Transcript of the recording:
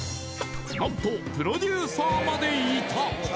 何とプロデューサーまでいた！